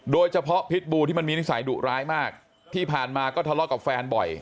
พิษบูที่มันมีนิสัยดุร้ายมากที่ผ่านมาก็ทะเลาะกับแฟนบ่อย